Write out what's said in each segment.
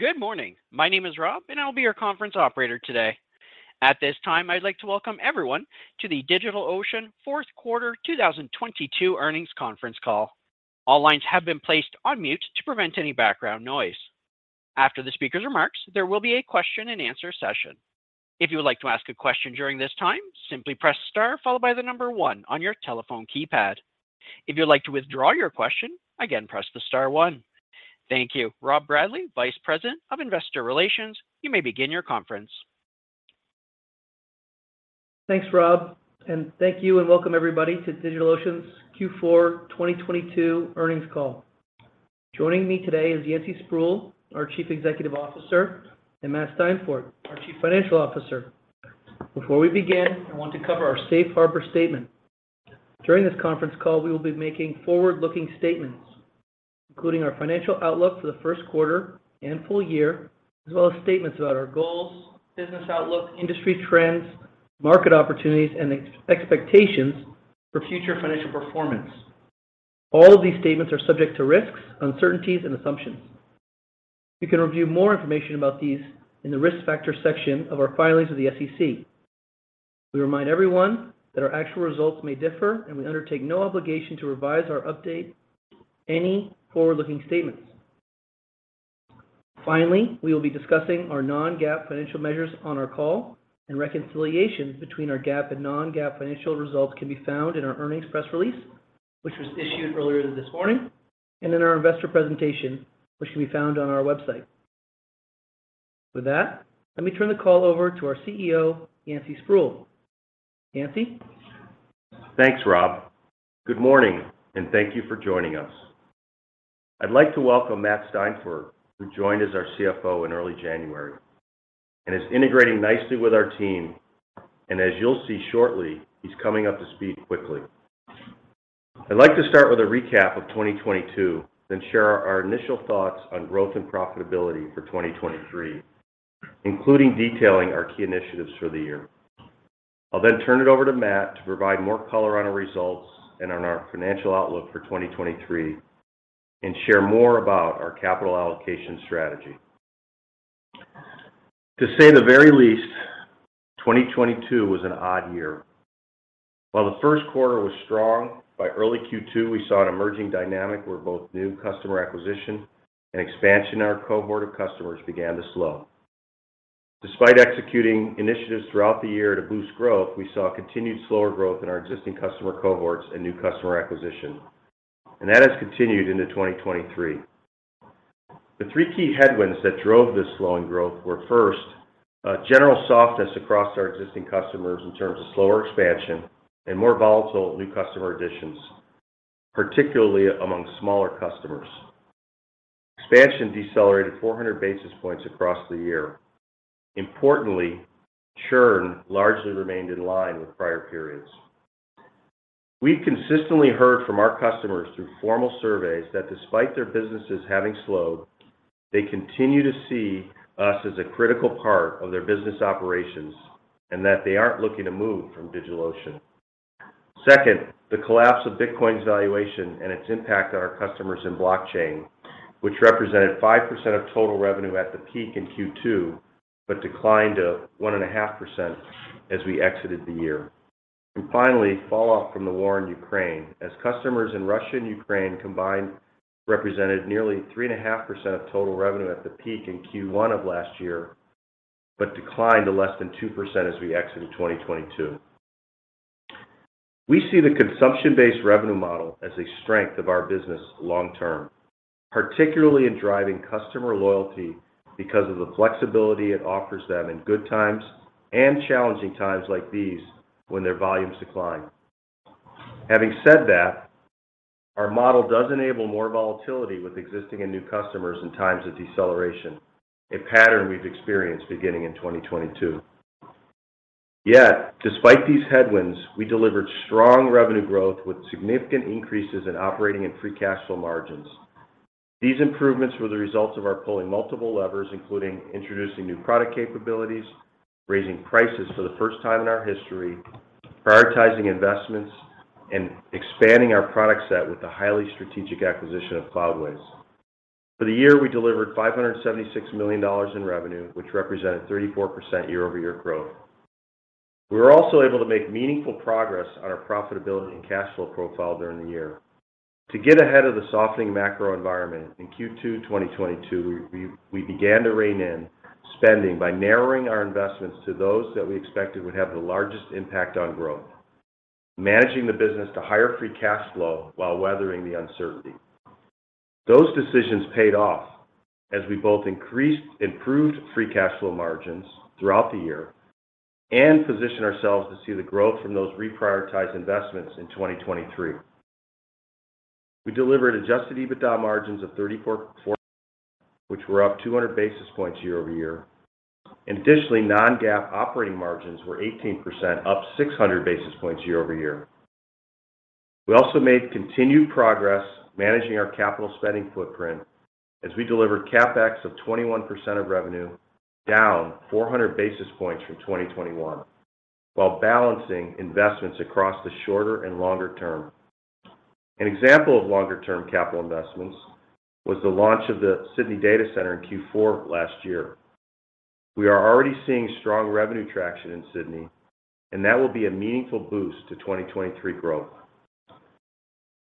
Good morning. My name is Rob, I'll be your conference operator today. At this time, I'd like to welcome everyone to the DigitalOcean fourth quarter 2022 earnings conference call. All lines have been placed on mute to prevent any background noise. After the speaker's remarks, there will be a Q&A session. If you would like to ask a question during this time, simply press star followed by one on your telephone keypad. If you'd like to withdraw your question, again, press the star one. Thank you. Rob Bradley, Vice President of Investor Relations, you may begin your conference. Thanks, Rob. Thank you and welcome everybody to DigitalOcean's Q4 2022 earnings call. Joining me today is Yancey Spruill, our Chief Executive Officer, and Matt Steinfort, our Chief Financial Officer. Before we begin, I want to cover our Safe Harbor statement. During this conference call, we will be making forward-looking statements, including our financial outlook for the first quarter and full year, as well as statements about our goals, business outlook, industry trends, market opportunities, and expectations for future financial performance. All of these statements are subject to risks, uncertainties and assumptions. You can review more information about these in the risk factors section of our filings with the SEC. We remind everyone that our actual results may differ. We undertake no obligation to revise or update any forward-looking statements. Finally, we will be discussing our non-GAAP financial measures on our call, and reconciliations between our GAAP and non-GAAP financial results can be found in our earnings press release, which was issued earlier this morning, and in our investor presentation, which can be found on our website. With that, let me turn the call over to our CEO, Yancey Spruill. Yancey. Thanks, Rob. Good morning, and thank you for joining us. I'd like to welcome Matt Steinfort, who joined as our CFO in early January and is integrating nicely with our team. As you'll see shortly, he's coming up to speed quickly. I'd like to start with a recap of 2022, then share our initial thoughts on growth and profitability for 2023, including detailing our key initiatives for the year. I'll then turn it over to Matt to provide more color on our results and on our financial outlook for 2023, and share more about our capital allocation strategy. To say the very least, 2022 was an odd year. While the first quarter was strong, by early Q2, we saw an emerging dynamic where both new customer acquisition and expansion in our cohort of customers began to slow. Despite executing initiatives throughout the year to boost growth, we saw continued slower growth in our existing customer cohorts and new customer acquisition. That has continued into 2023. The three key headwinds that drove this slowing growth were, first, a general softness across our existing customers in terms of slower expansion and more volatile new customer additions, particularly among smaller customers. Expansion decelerated 400 basis points across the year. Importantly, churn largely remained in line with prior periods. We've consistently heard from our customers through formal surveys that despite their businesses having slowed, they continue to see us as a critical part of their business operations and that they aren't looking to move from DigitalOcean. Second, the collapse of Bitcoin's valuation and its impact on our customers in blockchain, which represented 5% of total revenue at the peak in Q2, but declined to 1.5% as we exited the year. Finally, fallout from the war in Ukraine, as customers in Russia and Ukraine combined represented nearly 3.5% of total revenue at the peak in Q1 of last year, but declined to less than 2% as we exited 2022. We see the consumption-based revenue model as a strength of our business long term, particularly in driving customer loyalty because of the flexibility it offers them in good times and challenging times like these when their volumes decline. Having said that, our model does enable more volatility with existing and new customers in times of deceleration, a pattern we've experienced beginning in 2022. Yet, despite these headwinds, we delivered strong revenue growth with significant increases in operating and free cash flow margins. These improvements were the results of our pulling multiple levers, including introducing new product capabilities, raising prices for the first time in our history, prioritizing investments, and expanding our product set with the highly strategic acquisition of Cloudways. For the year, we delivered $576 million in revenue, which represented 34% year-over-year growth. We were also able to make meaningful progress on our profitability and free cash flow profile during the year. To get ahead of the softening macro environment, in Q2 2022, we began to rein in spending by narrowing our investments to those that we expected would have the largest impact on growth, managing the business to higher free cash flow while weathering the uncertainty. Those decisions paid off as we both improved free cash flow margins throughout the year and positioned ourselves to see the growth from those reprioritized investments in 2023. We delivered adjusted EBITDA margins of 34.4, which were up 200 basis points year-over-year. Additionally, non-GAAP operating margins were 18%, up 600 basis points year-over-year. We also made continued progress managing our capital spending footprint as we delivered CapEx of 21% of revenue, down 400 basis points from 2021, while balancing investments across the shorter and longer term. An example of longer-term capital investments was the launch of the Sydney Data Center in Q4 last year. We are already seeing strong revenue traction in Sydney, and that will be a meaningful boost to 2023 growth.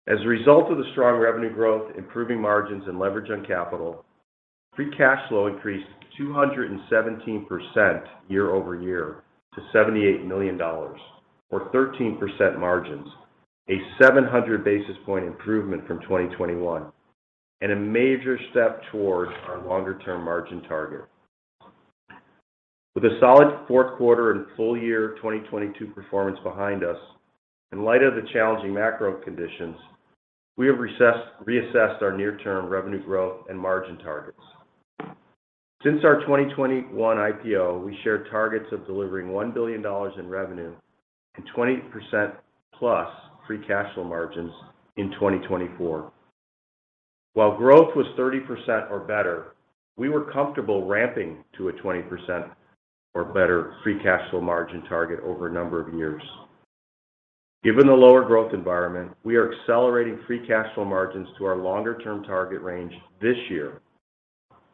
As a result of the strong revenue growth, improving margins, and leverage on capital, free cash flow increased 217% year-over-year to $78 million, or 13% margins, a 700 basis point improvement from 2021, and a major step towards our longer-term margin target. With a solid fourth quarter and full year 2022 performance behind us, in light of the challenging macro conditions, we have reassessed our near-term revenue growth and margin targets. Since our 2021 IPO, we shared targets of delivering $1 billion in revenue and 20%+ free cash flow margins in 2024. While growth was 30% or better, we were comfortable ramping to a 20% or better free cash flow margin target over a number of years. Given the lower growth environment, we are accelerating free cash flow margins to our longer-term target range this year.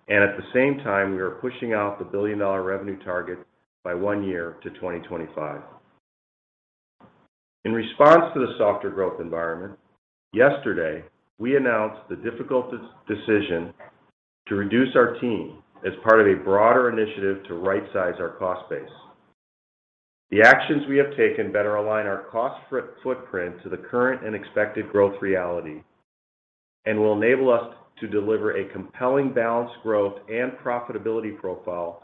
At the same time, we are pushing out the $1 billion revenue target by one year to 2025. In response to the softer growth environment, yesterday, we announced the difficult decision to reduce our team as part of a broader initiative to right size our cost base. The actions we have taken better align our cost footprint to the current and expected growth reality, and will enable us to deliver a compelling balanced growth and profitability profile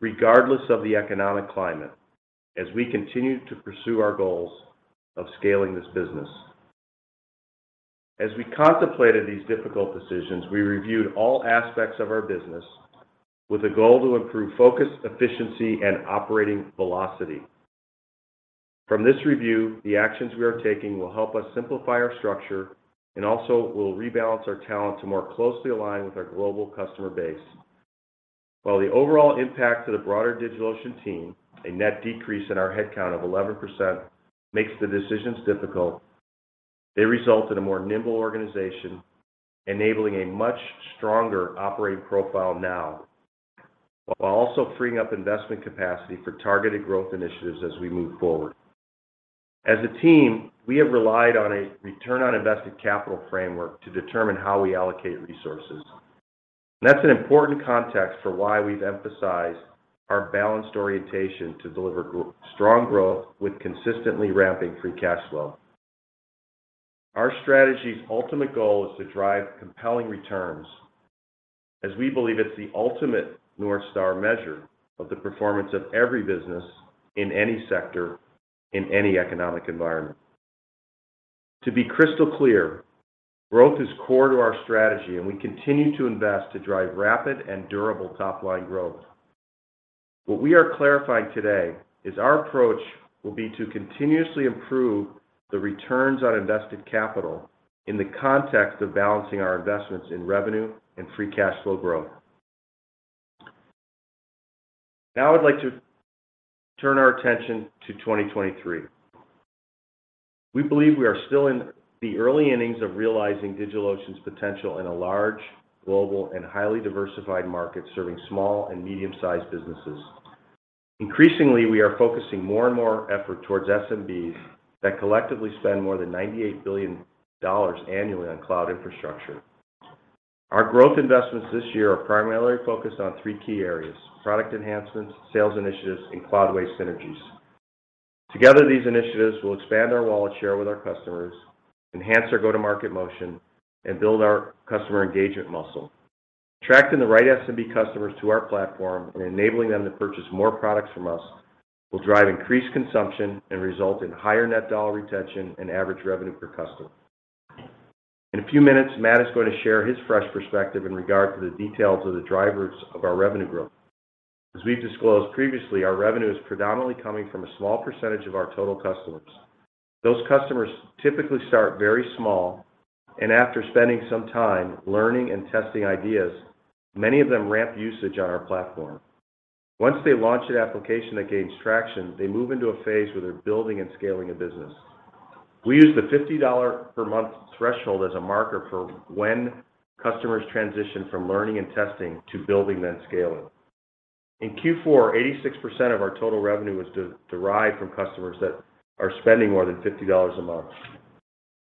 regardless of the economic climate as we continue to pursue our goals of scaling this business. As we contemplated these difficult decisions, we reviewed all aspects of our business with a goal to improve focus, efficiency, and operating velocity. From this review, the actions we are taking will help us simplify our structure and also will rebalance our talent to more closely align with our global customer base. While the overall impact to the broader DigitalOcean team, a net decrease in our headcount of 11%, makes the decisions difficult, they result in a nimbler organization, enabling a much stronger operating profile now, while also freeing up investment capacity for targeted growth initiatives as we move forward. As a team, we have relied Return on Invested Capital framework to determine how we allocate resources. That's an important context for why we've emphasized our balanced orientation to deliver strong growth with consistently ramping free cash flow. Our strategy's ultimate goal is to drive compelling returns, as we believe it's the ultimate North Star measure of the performance of every business in any sector, in any economic environment. To be crystal clear, growth is core to our strategy, and we continue to invest to drive rapid and durable top-line growth. What we are clarifying today is our approach will be to continuously improve the Return on Invested Capital in the context of balancing our investments in revenue and free cash flow growth. I'd like to turn our attention to 2023. We believe we are still in the early innings of realizing DigitalOcean's potential in a large, global, and highly diversified market serving small and medium-sized businesses. Increasingly, we are focusing more and more effort towards SMBs that collectively spend more than $98 billion annually on cloud infrastructure. Our growth investments this year are primarily focused on three key areas: product enhancements, sales initiatives, and Cloudways synergies. Together, these initiatives will expand our wallet share with our customers, enhance our go-to-market motion, and build our customer engagement muscle. Attracting the right SMB customers to our platform and enabling them to purchase more products from us will drive increased consumption and result in higher net dollar retention and average revenue per customer. In a few minutes, Matt is going to share his fresh perspective in regard to the details of the drivers of our revenue growth. As we've disclosed previously, our revenue is predominantly coming from a small percentage of our total customers. Those customers typically start very small, and after spending some time learning and testing ideas, many of them ramp usage on our platform. Once they launch an application that gains traction, they move into a phase where they're building and scaling a business. We use the $50 per month threshold as a marker for when customers transition from learning and testing to building then scaling. In Q4, 86% of our total revenue was derived from customers that are spending more than $50 a month,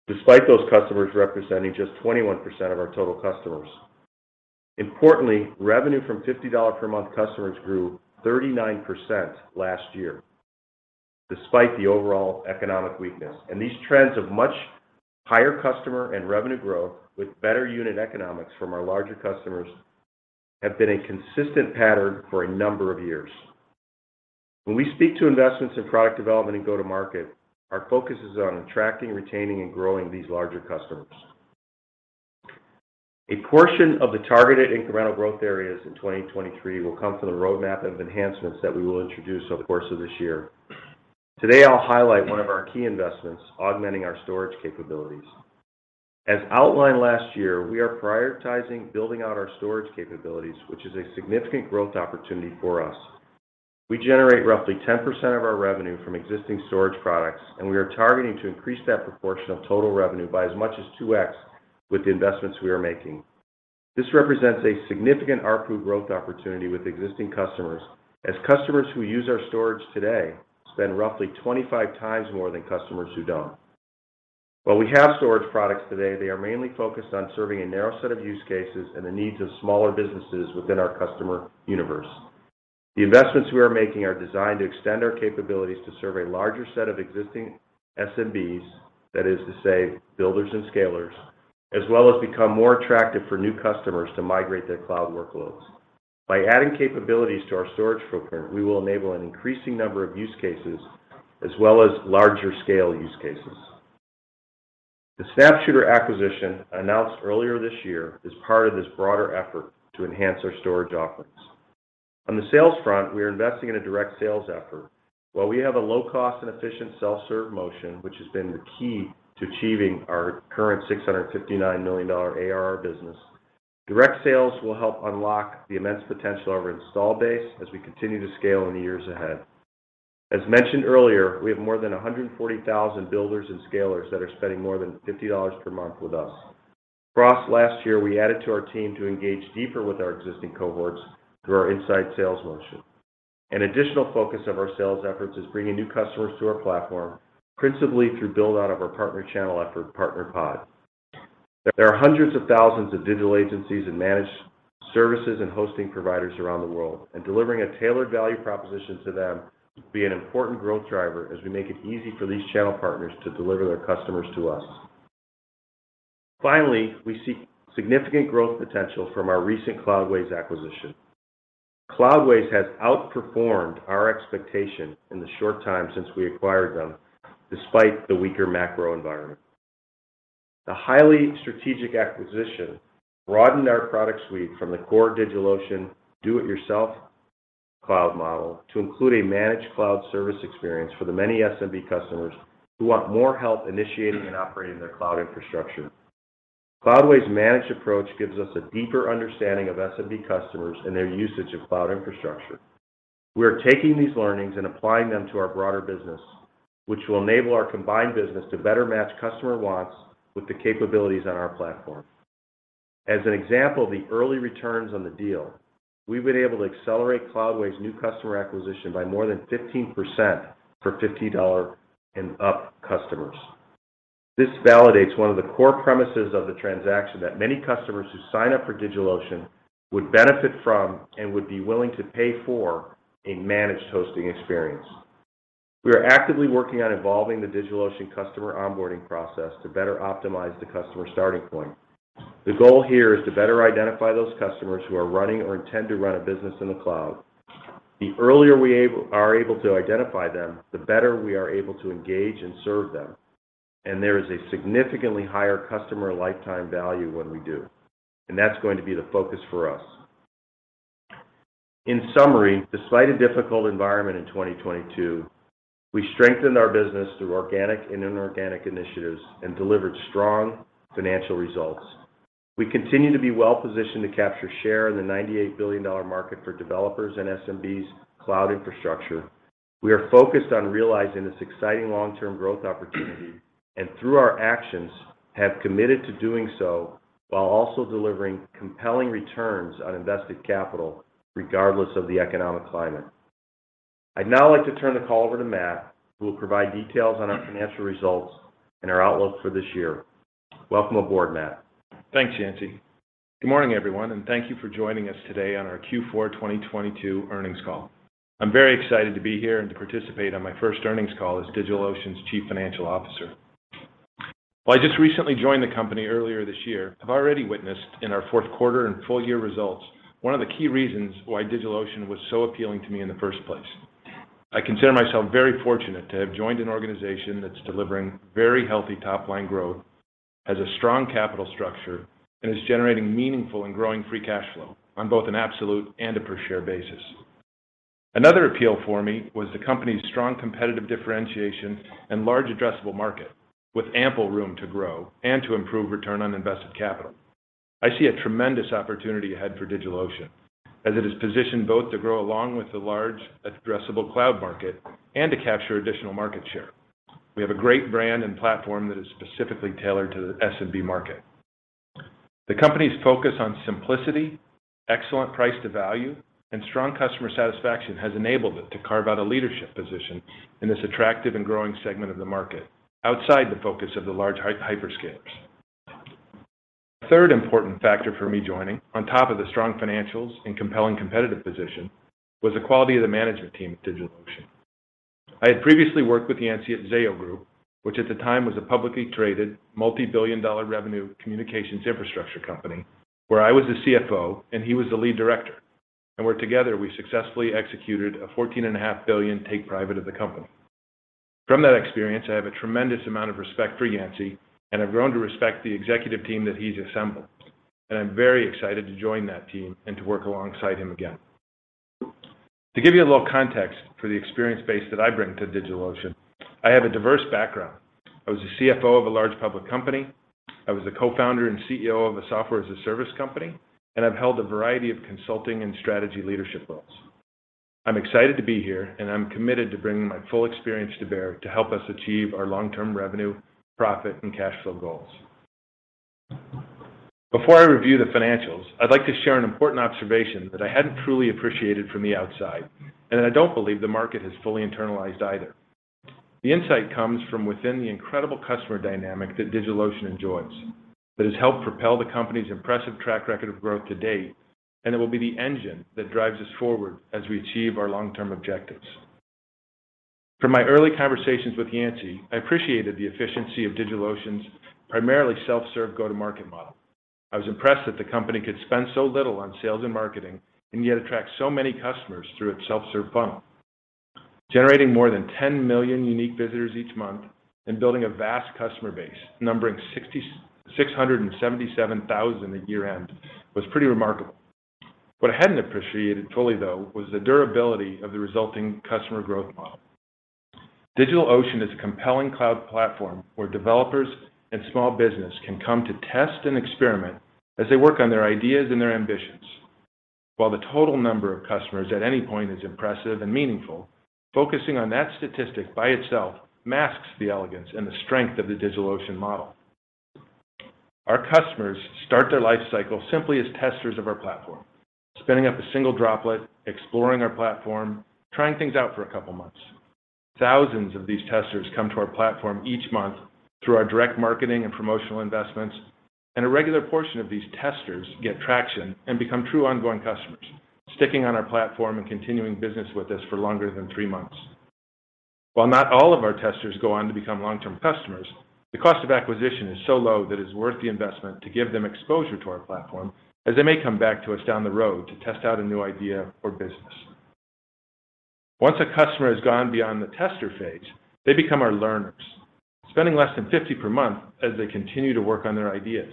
despite those customers representing just 21% of our total customers. Importantly, revenue from $50 per month customers grew 39% last year, despite the overall economic weakness. These trends of much higher customer and revenue growth with better unit economics from our larger customers have been a consistent pattern for a number of years. When we speak to investments in product development and go-to-market, our focus is on attracting, retaining, and growing these larger customers. A portion of the targeted incremental growth areas in 2023 will come from the roadmap of enhancements that we will introduce over the course of this year. Today, I'll highlight one of our key investments, augmenting our storage capabilities. As outlined last year, we are prioritizing building out our storage capabilities, which is a significant growth opportunity for us. We generate roughly 10% of our revenue from existing storage products, and we are targeting to increase that proportion of total revenue by as much as 2x with the investments we are making. This represents a significant ARPU growth opportunity with existing customers, as customers who use our storage today spend roughly 25x more than customers who don't. While we have storage products today, they are mainly focused on serving a narrow set of use cases and the needs of smaller businesses within our customer universe. The investments we are making are designed to extend our capabilities to serve a larger set of existing SMBs, that is to say, builders and scalers, as well as become more attractive for new customers to migrate their cloud workloads. By adding capabilities to our storage footprint, we will enable an increasing number of use cases as well as larger scale use cases. The SnapShooter acquisition announced earlier this year is part of this broader effort to enhance our storage offerings. On the sales front, we are investing in a direct sales effort. While we have a low cost and efficient self-serve motion, which has been the key to achieving our current $659 million ARR business, direct sales will help unlock the immense potential of our install base as we continue to scale in the years ahead. As mentioned earlier, we have more than 140,000 builders and scalers that are spending more than $50 per month with us. Across last year, we added to our team to engage deeper with our existing cohorts through our inside sales motion. An additional focus of our sales efforts is bringing new customers to our platform, principally through build out of our partner channel effort, Partner Pod. There are hundreds of thousands of digital agencies and managed services and hosting providers around the world, delivering a tailored value proposition to them will be an important growth driver as we make it easy for these channel partners to deliver their customers to us. Finally, we see significant growth potential from our recent Cloudways acquisition. Cloudways has outperformed our expectation in the short time since we acquired them, despite the weaker macro environment. The highly strategic acquisition broadened our product suite from the core DigitalOcean, do-it-yourself cloud model, to include a managed cloud service experience for the many SMB customers who want more help initiating and operating their cloud infrastructure. Cloudways managed approach gives us a deeper understanding of SMB customers and their usage of cloud infrastructure. We are taking these learnings and applying them to our broader business, which will enable our combined business to better match customer wants with the capabilities on our platform. As an example, the early returns on the deal, we've been able to accelerate Cloudways new customer acquisition by more than 15% for $50 and up customers. This validates one of the core premises of the transaction that many customers who sign up for DigitalOcean would benefit from and would be willing to pay for a managed hosting experience. We are actively working on evolving the DigitalOcean customer onboarding process to better optimize the customer starting point. The goal here is to better identify those customers who are running or intend to run a business in the cloud. The earlier we are able to identify them, the better we are able to engage and serve them, and there is a significantly higher customer lifetime value when we do, and that's going to be the focus for us. In summary, despite a difficult environment in 2022, we strengthened our business through organic and inorganic initiatives and delivered strong financial results. We continue to be well-positioned to capture share in the $98 billion market for developers and SMBs cloud infrastructure. We are focused on realizing this exciting long-term growth opportunity, and through our actions, have committed to doing so while also delivering compelling Return on Invested Capital regardless of the economic climate. I'd now like to turn the call over to Matt, who will provide details on our financial results and our outlook for this year. Welcome aboard, Matt. Thanks, Yancey. Good morning, everyone, and thank you for joining us today on our Q4 2022 earnings call. I'm very excited to be here and to participate on my first earnings call as DigitalOcean's Chief Financial Officer. While I just recently joined the company earlier this year, I've already witnessed in our fourth quarter and full year results one of the key reasons why DigitalOcean was so appealing to me in the first place. I consider myself very fortunate to have joined an organization that's delivering very healthy top-line growth, has a strong capital structure, and is generating meaningful and growing free cash flow on both an absolute and a per share basis. Another appeal for me was the company's strong competitive differentiation and large addressable market, with ample room to grow and to improve Return on Invested Capital. I see a tremendous opportunity ahead for DigitalOcean, as it is positioned both to grow along with the large addressable cloud market and to capture additional market share. We have a great brand and platform that is specifically tailored to the SMB market. The company's focus on simplicity, excellent price to value, and strong customer satisfaction has enabled it to carve out a leadership position in this attractive and growing segment of the market outside the focus of the large hyperscales. A third important factor for me joining, on top of the strong financials and compelling competitive position, was the quality of the management team at DigitalOcean. I had previously worked with Yancey at Zayo Group, which at the time was a publicly traded, multi-billion dollar revenue communications infrastructure company, where I was the CFO and he was the lead director, and where together we successfully executed a $14.5 billion take private of the company. From that experience, I have a tremendous amount of respect for Yancey and have grown to respect the executive team that he's assembled. I'm very excited to join that team and to work alongside him again. To give you a little context for the experience base that I bring to DigitalOcean, I have a diverse background. I was the CFO of a large public company. I was the co-founder and CEO of a software as a service company. I've held a variety of consulting and strategy leadership roles. I'm excited to be here, and I'm committed to bringing my full experience to bear to help us achieve our long-term revenue, profit, and cash flow goals. Before I review the financials, I'd like to share an important observation that I hadn't truly appreciated from the outside, and I don't believe the market has fully internalized either. The insight comes from within the incredible customer dynamic that DigitalOcean enjoys that has helped propel the company's impressive track record of growth to date, and it will be the engine that drives us forward as we achieve our long-term objectives. From my early conversations with Yancey, I appreciated the efficiency of DigitalOcean's primarily self-serve go-to-market model. I was impressed that the company could spend so little on sales and marketing and yet attract so many customers through its self-serve funnel. Generating more than 10 million unique visitors each month and building a vast customer base numbering 677,000 at year-end was pretty remarkable. What I hadn't appreciated fully, though, was the durability of the resulting customer growth model. DigitalOcean is a compelling cloud platform where developers and small business can come to test and experiment as they work on their ideas and their ambitions. The total number of customers at any point is impressive and meaningful, focusing on that statistic by itself masks the elegance and the strength of the DigitalOcean model. Our customers start their life cycle simply as testers of our platform, spinning up a single Droplet, exploring our platform, trying things out for a couple of months. Thousands of these testers come to our platform each month through our direct marketing and promotional investments, a regular portion of these testers get traction and become true ongoing customers, sticking on our platform and continuing business with us for longer than three months. While not all of our testers go on to become long-term customers, the cost of acquisition is so low that it's worth the investment to give them exposure to our platform as they may come back to us down the road to test out a new idea or business. Once a customer has gone beyond the tester phase, they become our learners, spending less than $50 per month as they continue to work on their ideas.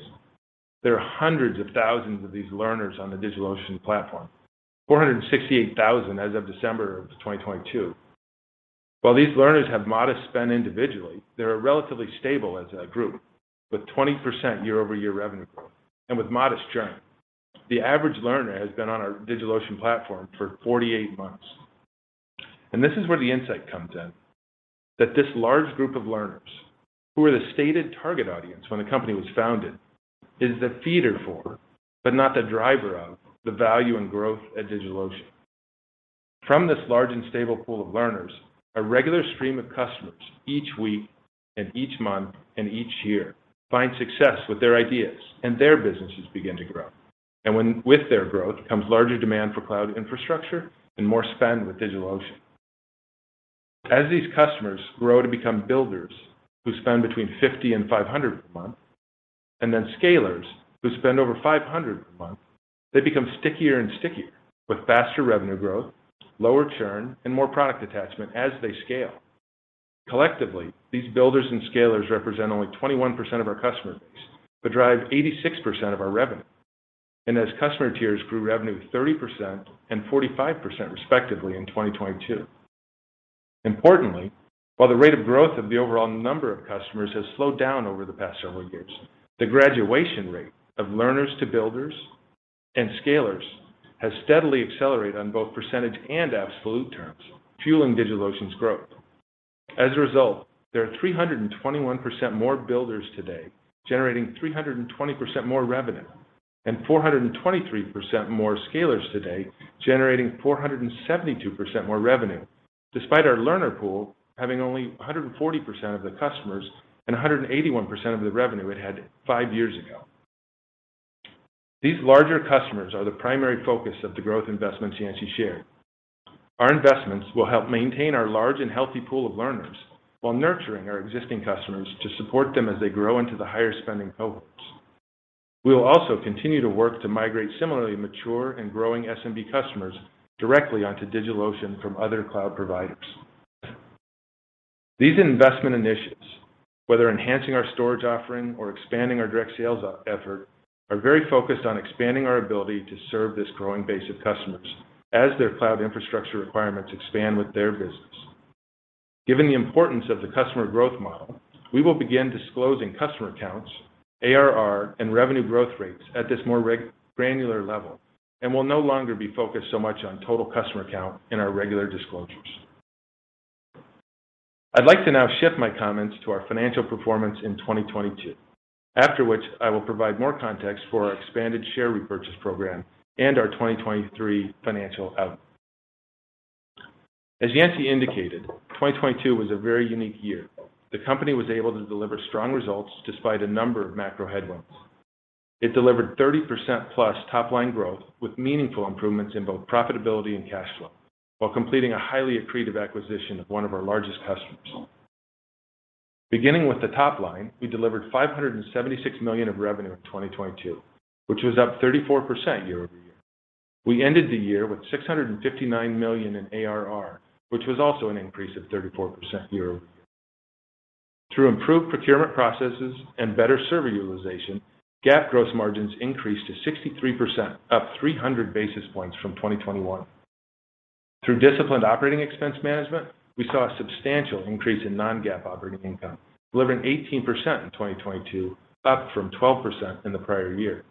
There are hundreds of thousands of these learners on the DigitalOcean platform, 468,000 as of December of 2022. While these learners have modest spend individually, they are relatively stable as a group, with 20% year-over-year revenue growth and with modest churn. The average learner has been on our DigitalOcean platform for 48 months. This is where the insight comes in, that this large group of learners, who were the stated target audience when the company was founded, is the feeder for, but not the driver of, the value and growth at DigitalOcean. From this large and stable pool of learners, a regular stream of customers each week and each month and each year find success with their ideas, and their businesses begin to grow. With their growth comes larger demand for cloud infrastructure and more spend with DigitalOcean. As these customers grow to become builders who spend between 50 and 500 a month, and then scalers who spend over 500 a month, they become stickier and stickier, with faster revenue growth, lower churn, and more product attachment as they scale. Collectively, these builders and scalers represent only 21% of our customer base but drive 86% of our revenue. As customer tiers grew revenue 30% and 45% respectively in 2022. Importantly, while the rate of growth of the overall number of customers has slowed down over the past several years, the graduation rate of learners to builders and scalers has steadily accelerated on both percentage and absolute terms, fueling DigitalOcean's growth. As a result, there are 321% more builders today, generating 320% more revenue, and 423% more scalers today, generating 472% more revenue, despite our learner pool having only 140% of the customers and 181% of the revenue it had five years ago. These larger customers are the primary focus of the growth investments Yancey shared. Our investments will help maintain our large and healthy pool of learners while nurturing our existing customers to support them as they grow into the higher-spending cohorts. We will also continue to work to migrate similarly mature and growing SMB customers directly onto DigitalOcean from other cloud providers. These investment initiatives, whether enhancing our storage offering or expanding our direct sales effort, are very focused on expanding our ability to serve this growing base of customers as their cloud infrastructure requirements expand with their business. Given the importance of the customer growth model, we will begin disclosing customer counts, ARR, and revenue growth rates at this more granular level and will no longer be focused so much on total customer count in our regular disclosures. I'd like to now shift my comments to our financial performance in 2022, after which I will provide more context for our expanded share repurchase program and our 2023 financial outlook. As Yancey indicated, 2022 was a very unique year. The company was able to deliver strong results despite a number of macro headwinds. It delivered 30%-plus top-line growth with meaningful improvements in both profitability and cash flow while completing a highly accretive acquisition of one of our largest customers. Beginning with the top line, we delivered $576 million of revenue in 2022, which was up 34% year-over-year. We ended the year with $659 million in ARR, which was also an increase of 34% year-over-year. Through improved procurement processes and better server utilization, GAAP Gross Margins increased to 63%, up 300 basis points from 2021. Through disciplined operating expense management, we saw a substantial increase in non-GAAP operating income, delivering 18% in 2022, up from 12% in the prior year.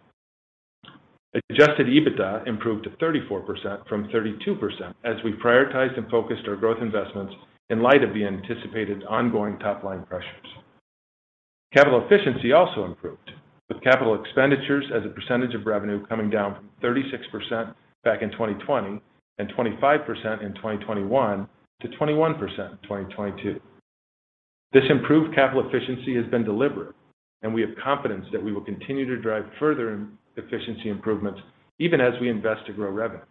Adjusted EBITDA improved to 34% from 32% as we prioritized and focused our growth investments in light of the anticipated ongoing top-line pressures. Capital efficiency also improved, with CapEx as a percentage of revenue coming down from 36% back in 2020, and 25% in 2021 to 21% in 2022. This improved capital efficiency has been deliberate, and we have confidence that we will continue to drive further efficiency improvements even as we invest to grow revenue.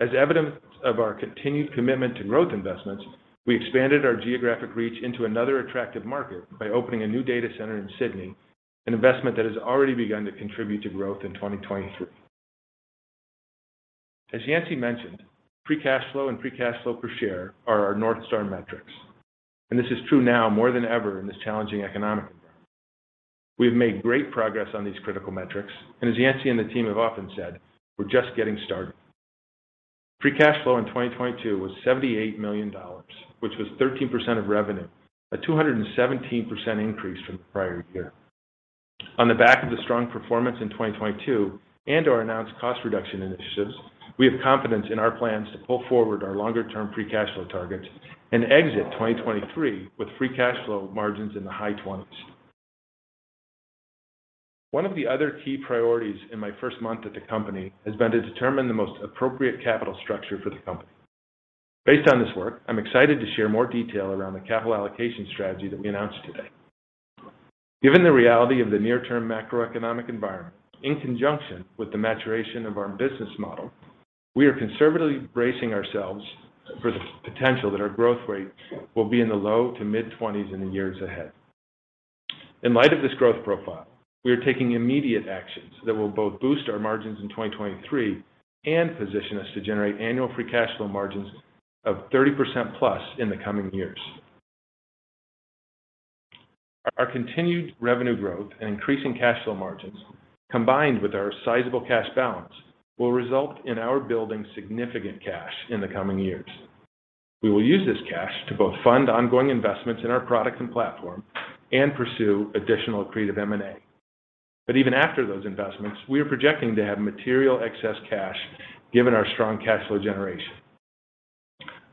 As evidence of our continued commitment to growth investments, we expanded our geographic reach into another attractive market by opening a new data center in Sydney, an investment that has already begun to contribute to growth in 2023. As Yancey mentioned, free cash flow and free cash flow per share are our North Star metrics, and this is true now more than ever in this challenging economic environment. We have made great progress on these critical metrics. As Yancey Spruill and the team have often said, we're just getting started. Free cash flow in 2022 was $78 million, which was 13% of revenue, a 217% increase from the prior year. On the back of the strong performance in 2022 and our announced cost reduction initiatives, we have confidence in our plans to pull forward our longer-term free cash flow targets and exit 2023 with free cash flow margins in the high 20s. One of the other key priorities in my first month at the company has been to determine the most appropriate capital structure for the company. Based on this work, I'm excited to share more detail around the capital allocation strategy that we announced today. Given the reality of the near-term macroeconomic environment, in conjunction with the maturation of our business model, we are conservatively bracing ourselves for the potential that our growth rate will be in the low to mid-20s in the years ahead. In light of this growth profile, we are taking immediate actions that will both boost our margins in 2023 and position us to generate annual free cash flow margins of 30%+ in the coming years. Our continued revenue growth and increasing cash flow margins, combined with our sizable cash balance, will result in our building significant cash in the coming years. We will use this cash to both fund ongoing investments in our product and platform and pursue additional creative M&A. But even after those investments, we are projecting to have material excess cash given our strong cash flow generation.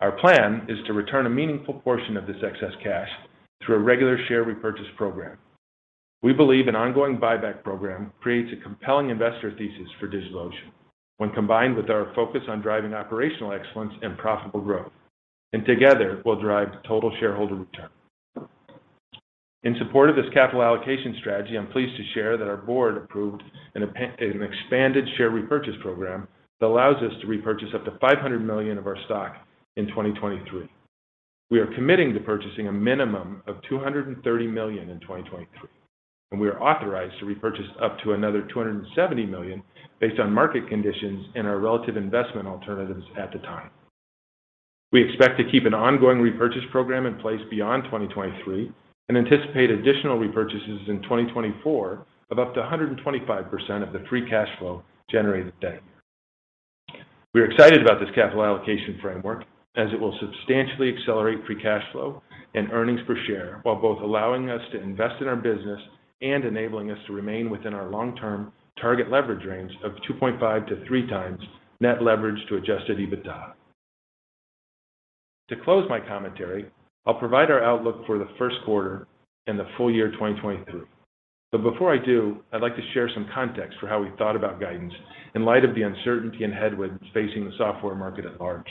Our plan is to return a meaningful portion of this excess cash through a regular share repurchase program. We believe an ongoing buyback program creates a compelling investor thesis for DigitalOcean when combined with our focus on driving operational excellence and profitable growth, and together will drive total shareholder return. In support of this capital allocation strategy, I'm pleased to share that our board approved an expanded share repurchase program that allows us to repurchase up to $500 million of our stock in 2023. We are committing to purchasing a minimum of $230 million in 2023, and we are authorized to repurchase up to another $270 million based on market conditions and our relative investment alternatives at the time. We expect to keep an ongoing repurchase program in place beyond 2023 and anticipate additional repurchases in 2024 of up to 125% of the free cash flow generated then. We are excited about this capital allocation framework, as it will substantially accelerate free cash flow and earnings per share, while both allowing us to invest in our business and enabling us to remain within our long-term target leverage range of 2.5x-3x net leverage to adjusted EBITDA. To close my commentary, I'll provide our outlook for the first quarter and the full year 2023. Before I do, I'd like to share some context for how we thought about guidance in light of the uncertainty and headwinds facing the software market at large.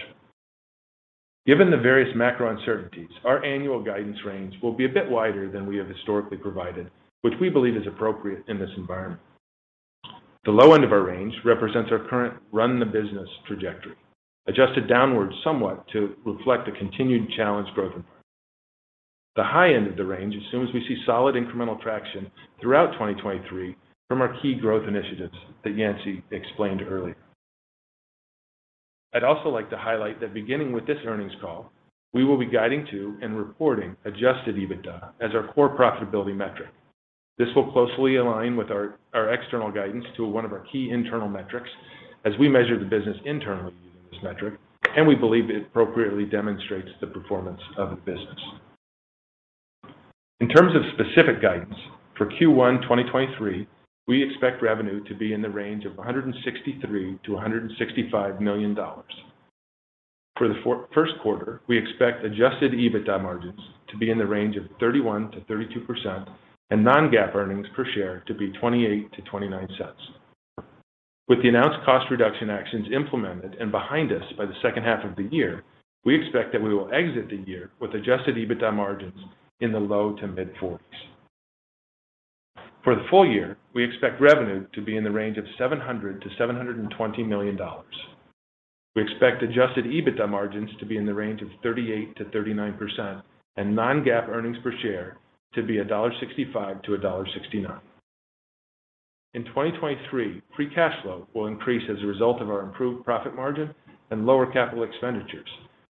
Given the various macro uncertainties, our annual guidance range will be a bit wider than we have historically provided, which we believe is appropriate in this environment. The low end of our range represents our current run-the-business trajectory, adjusted downwards somewhat to reflect a continued challenged growth environment. The high end of the range assumes we see solid incremental traction throughout 2023 from our key growth initiatives that Yancey explained earlier. I'd also like to highlight that beginning with this earnings call, we will be guiding to and reporting adjusted EBITDA as our core profitability metric. This will closely align with our external guidance to one of our key internal metrics as we measure the business internally using this metric, and we believe it appropriately demonstrates the performance of the business. In terms of specific guidance, for Q1 2023, we expect revenue to be in the range of $163 million-$165 million. For the first quarter, we expect adjusted EBITDA margins to be in the range of 31%-32% and non-GAAP earnings per share to be $0.28-$0.29. With the announced cost reduction actions implemented and behind us by the second half of the year, we expect that we will exit the year with adjusted EBITDA margins in the low to mid-40s. For the full year, we expect revenue to be in the range of $700 million-$720 million. We expect adjusted EBITDA margins to be in the range of 38%-39% and non-GAAP earnings per share to be $1.65-$1.69. In 2023, free cash flow will increase as a result of our improved profit margin and lower capital expenditures,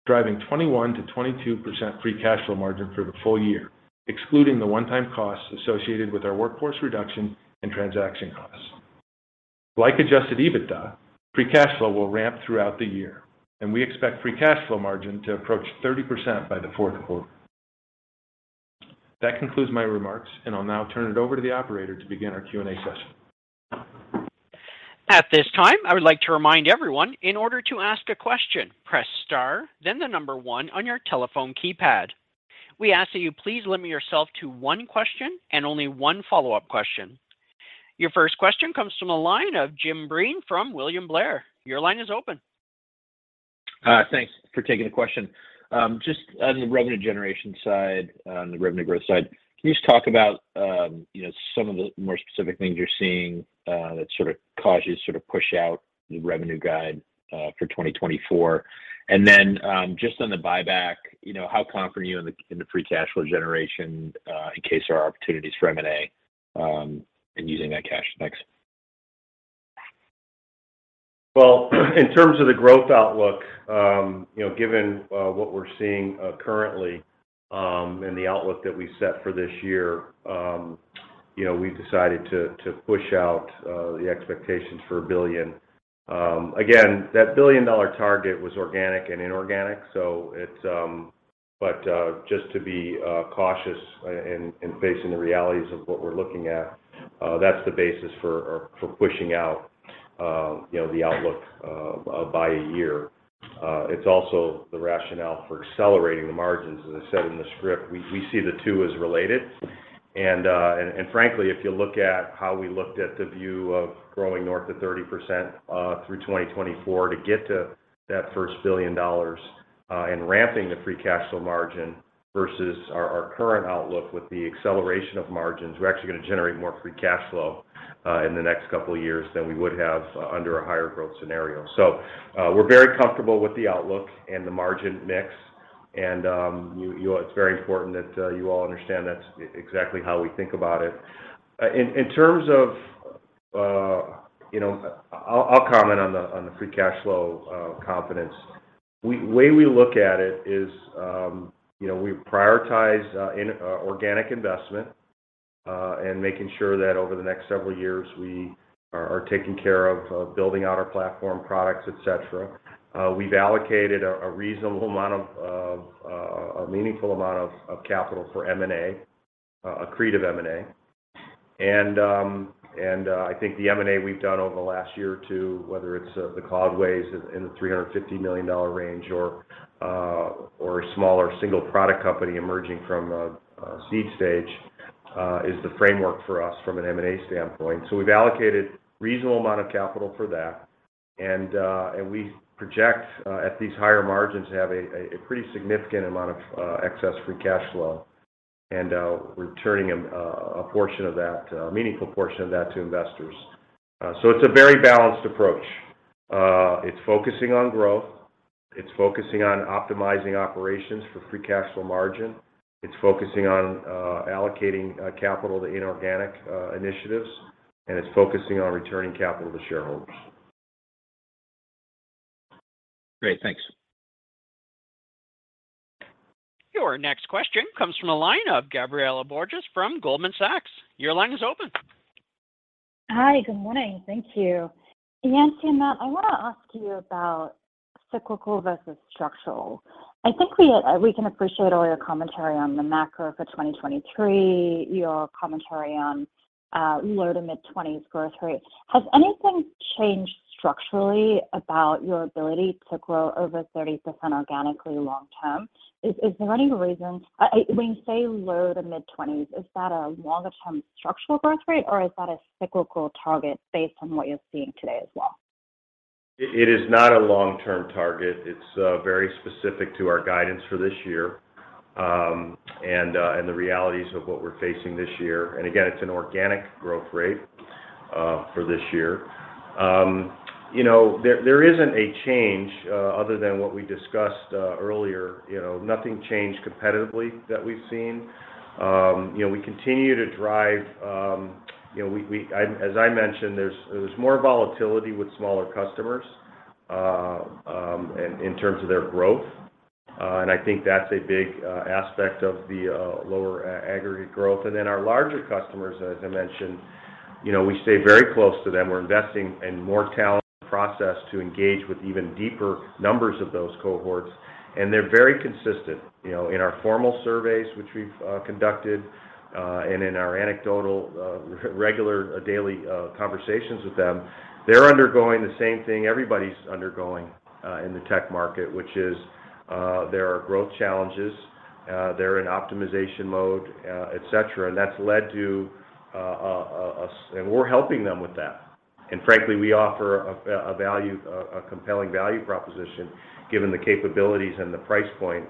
driving 21%-22% free cash flow margin for the full year, excluding the one-time costs associated with our workforce reduction and transaction costs. Like adjusted EBITDA, free cash flow will ramp throughout the year, and we expect free cash flow margin to approach 30% by the fourth quarter. That concludes my remarks, and I'll now turn it over to the operator to begin our Q&A session. At this time, I would like to remind everyone, in order to ask a question, press star, then the number one on your telephone keypad. We ask that you please limit yourself to one question and only one follow-up question. Your first question comes from the line of Jim Breen from William Blair. Your line is open. Thanks for taking the question. Just on the revenue generation side, on the revenue growth side, can you just talk about, you know, some of the more specific things you're seeing, that sort of caused you to sort of push out the revenue guide, for 2024? Just on the buyback, you know, how confident are you in the, in the free cash flow generation, in case there are opportunities for M&A, in using that cash? Thanks. Well, in terms of the growth outlook, you know, given, what we're seeing, currently, and the outlook that we set for this year, you know, we decided to push out, the expectations for $1 billion. Again, that billion-dollar target was organic and inorganic. Just to be cautious and facing the realities of what we're looking at, that's the basis for pushing out, you know, the outlook, by a year. It's also the rationale for accelerating the margins. As I said in the script, we see the two as related. Frankly, if you look at how we looked at the view of growing north to 30% through 2024 to get to that first $1 billion and ramping the free cash flow margin versus our current outlook with the acceleration of margins, we're actually gonna generate more free cash flow in the next couple of years than we would have under a higher growth scenario. We're very comfortable with the outlook and the margin mix and you. It's very important that you all understand that's exactly how we think about it. In terms of, you know, I'll comment on the free cash flow confidence. The way we look at it is, you know, we prioritize in organic investment and making sure that over the next several years, we are taking care of building out our platform products, et cetera. We've allocated a meaningful amount of capital for M&A, accretive M&A. I think the M&A we've done over the last year or two, whether it's the Cloudways in the $350 million range or a smaller single product company emerging from a seed stage, is the framework for us from an M&A standpoint. We've allocated reasonable amount of capital for that. We project at these higher margins to have a pretty significant amount of excess free cash flow and returning a portion of that, a meaningful portion of that to investors. It's a very balanced approach. It's focusing on growth. It's focusing on optimizing operations for free cash flow margin. It's focusing on allocating capital to inorganic initiatives, and it's focusing on returning capital to shareholders. Great. Thanks. Your next question comes from the line of Gabriela Borges from Goldman Sachs. Your line is open. Hi. Good morning. Thank you. Yancey, I wanna ask you about cyclical versus structural. I think we can appreciate all your commentary on the macro for 2023, your commentary on low- to mid-20s growth rate. Has anything changed structurally about your ability to grow over 30% organically long term? Is there any reason? When you say low to mid-20s, is that a longer-term structural growth rate, or is that a cyclical target based on what you're seeing today as well? It is not a long-term target. It's very specific to our guidance for this year, and the realities of what we're facing this year. Again, it's an organic growth rate for this year. You know, there isn't a change other than what we discussed earlier. You know, nothing changed competitively that we've seen. You know, we continue to drive, you know, As I mentioned, there's more volatility with smaller customers in terms of their growth. I think that's a big aspect of the lower aggregate growth. Then our larger customers, as I mentioned, you know, we stay very close to them. We're investing in more talent and process to engage with even deeper numbers of those cohorts, and they're very consistent. You know, in our formal surveys, which we've conducted, and in our anecdotal, regular daily conversations with them, they're undergoing the same thing everybody's undergoing in the tech market, which is, there are growth challenges, they're in optimization mode, et cetera, and that's led to. We're helping them with that. Frankly, we offer a value, a compelling value proposition, given the capabilities and the price point,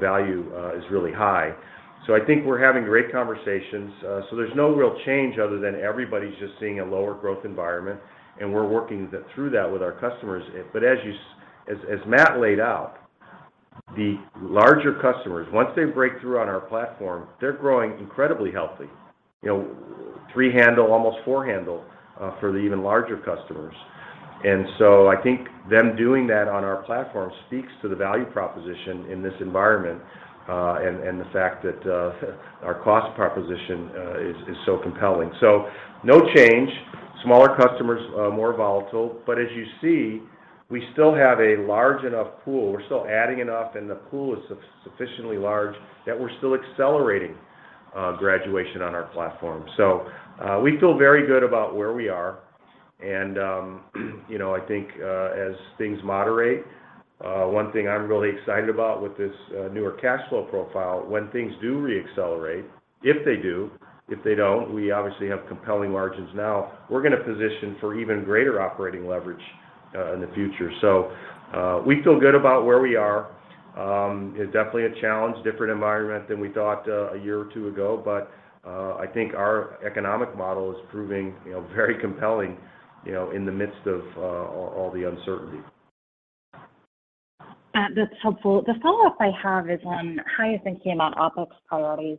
value is really high. I think we're having great conversations. There's no real change other than everybody's just seeing a lower growth environment, and we're working through that with our customers. As Matt laid out, the larger customers, once they break through on our platform, they're growing incredibly healthy. You know, three handle, almost four handle, for the even larger customers. I think them doing that on our platform speaks to the value proposition in this environment, and the fact that our cost proposition is so compelling. No change. Smaller customers are more volatile, but as you see, we still have a large enough pool. We're still adding enough, and the pool is sufficiently large that we're still accelerating graduation on our platform. We feel very good about where we are. You know, I think, as things moderate, one thing I'm really excited about with this newer cash flow profile, when things do re-accelerate, if they do, if they don't, we obviously have compelling margins now. We're gonna position for even greater operating leverage in the future. We feel good about where we are. It's definitely a challenge, different environment than we thought, a year or two ago. I think our economic model is proving, you know, very compelling, you know, in the midst of, all the uncertainty. That's helpful. The follow-up I have is on how you're thinking about OpEx priorities.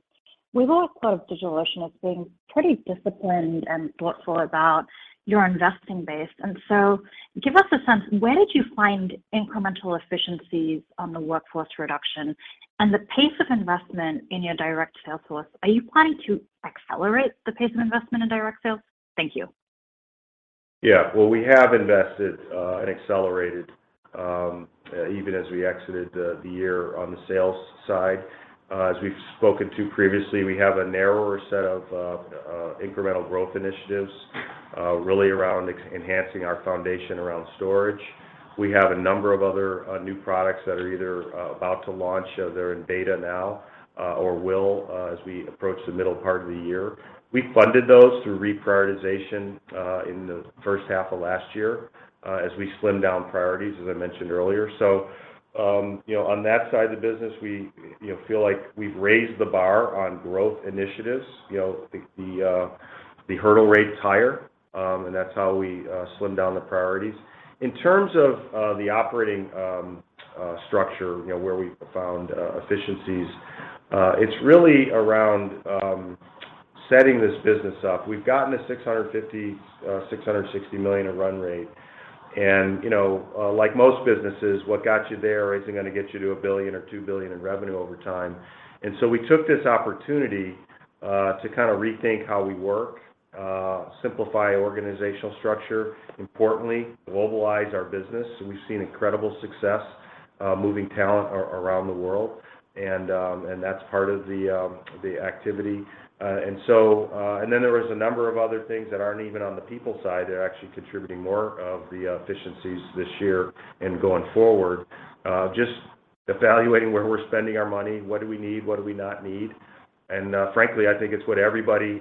We've always thought of DigitalOcean as being pretty disciplined and thoughtful about your investing base. Give us a sense, where did you find incremental efficiencies on the workforce reduction and the pace of investment in your direct sales force? Are you planning to accelerate the pace of investment in direct sales? Thank you. Yeah. Well, we have invested and accelerated even as we exited the year on the sales side. As we've spoken to previously, we have a narrower set of incremental growth initiatives, really around enhancing our foundation around storage. We have a number of other new products that are either about to launch, they're in beta now, or will as we approach the middle part of the year. We funded those through reprioritization in the first half of last year, as we slimmed down priorities, as I mentioned earlier. You know, on that side of the business, we, you know, feel like we've raised the bar on growth initiatives. You know, the hurdle rate's higher, that's how we slimmed down the priorities. In terms of the operating structure, you know, where we found efficiencies, it's really around setting this business up. We've gotten to $650, $660 million in run rate and, you know, like most businesses, what got you there isn't gonna get you to $1 billion or $2 billion in revenue over time. We took this opportunity to kind of rethink how we work, simplify organizational structure, importantly, globalize our business. We've seen incredible success moving talent around the world and that's part of the activity. Then there was a number of other things that aren't even on the people side. They're actually contributing more of the efficiencies this year and going forward. Just evaluating where we're spending our money, what do we need, what do we not need. Frankly, I think it's what everybody